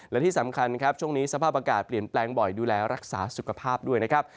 และที่สำคัญครับช่วงนี้สภาพอากาศเปลี่ยนแปลงบ่อยดูแลรักษาสุขภาพด้วยนะครับ